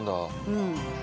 うん。